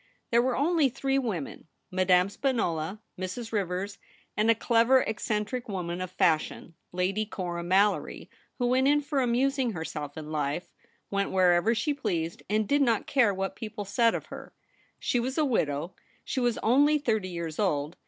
There were only three women — Madame Spinola, Mrs. Rivers, and a clever eccentric woman of fashion, Lady Cora Mallory, who went in for amusing herself in life, went wherever she pleased, and did not care what people said of her. She was a widow ; she was only thirty years old.